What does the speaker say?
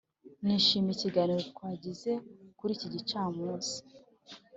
nishimiye ikiganiro twagize kuri iki gicamunsi.